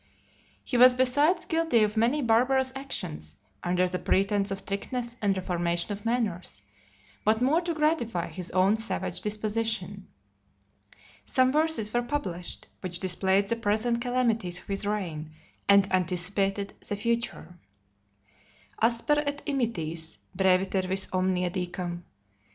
He was besides guilty of many barbarous actions, under the pretence of strictness and reformation of manners, but more to gratify his own savage disposition. Some verses were published, which displayed the present calamities of his reign, and anticipated the future. Asper et immitis, breviter vis omnia dicam?